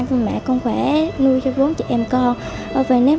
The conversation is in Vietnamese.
mới ước của con là không chỉ mang cho mẹ con khỏe nuôi cho bốn chị em con